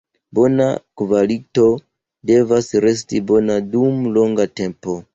Bona kvalito devas resti bona dum longa tempo.